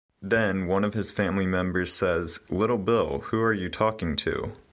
Then, one of his family members says, "Little Bill, who are you talking to?".